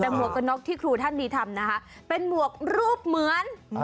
แต่หมวกกระน็อกที่ครูท่านนี้ทำนะคะเป็นหมวกรูปเหมือน